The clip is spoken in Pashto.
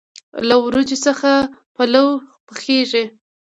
له وریجو څخه پلو پخیږي.